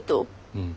うん。